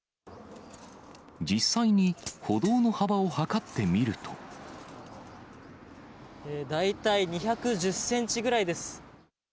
実際に歩道の幅を測ってみる大体２１０センチぐらいです。